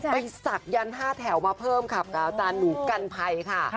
ไปสักยัน๕แถวมาเพิ่มค่ะอาจารย์หนูกันไพค่ะ